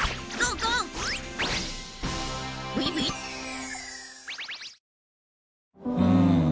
うん。